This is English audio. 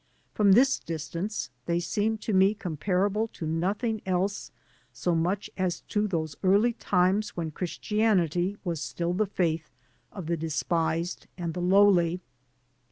From this distance they seem to me comparable to nothing else so much as to those early times when Christianity was still the faith of the despised and the lowly.